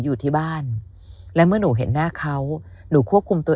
อยู่ที่บ้านและเมื่อหนูเห็นหน้าเขาหนูควบคุมตัว